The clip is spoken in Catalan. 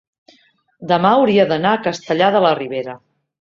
demà hauria d'anar a Castellar de la Ribera.